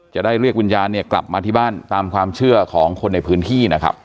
จะได้เรียกวิญญาณเนี่ยกลับมาที่บ้านตามความเชื่อของคนในพื้นที่นะครับ